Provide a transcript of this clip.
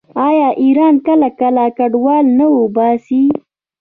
آیا ایران کله کله کډوال نه وباسي؟